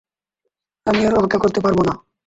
আমি আর অপেক্ষা করতে পারবো না!